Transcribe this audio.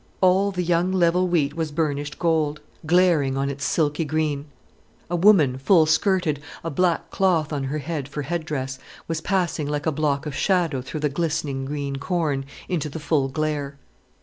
All the young level wheat was burnished gold glaring on its silky green. A woman, full skirted, a black cloth on her head for head dress, was passing like a block of shadow through the glistening, green corn, into the full glare.